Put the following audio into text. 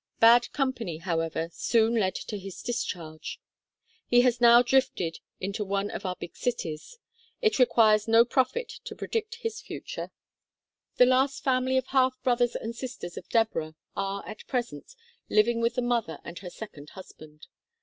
Bad company, however, soon led to his discharge. He has now drifted into one of our big cities. It requires no prophet to predict his future. 28 THE KALLIKAK FAMILY The last family of half brothers and sisters of Deborah are, at present, living with the mother and her second husband.